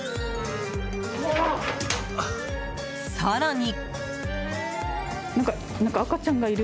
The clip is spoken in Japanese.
更に。